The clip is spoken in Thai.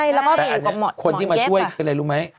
แล้วก็คนที่มาช่วยคืออะไรรู้ไหม